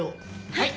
はい！